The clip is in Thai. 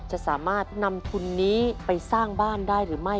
จะสามารถนำทุนนี้ไปสร้างบ้านได้หรือไม่